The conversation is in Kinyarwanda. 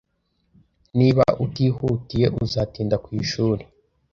Niba utihutiye, uzatinda ku ishuri.